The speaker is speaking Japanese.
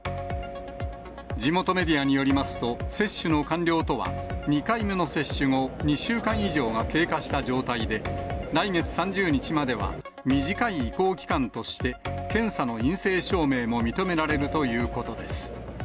地元メディアによりますと、接種の完了とは、２回目の接種後２週間以上が経過した状態で、来月３０日までは短い移行期間として、検査の陰性証明も認められるということです。